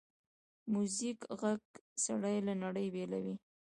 د میوزیک ږغ سړی له نړۍ بېلوي.